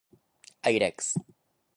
I eat eggs.